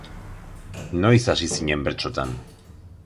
Noiz hasi zinen bertsotan?